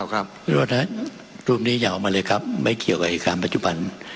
ครับครับรูปนี้อย่าเอามาเลยครับไม่เกี่ยวกับการปัจจุบัน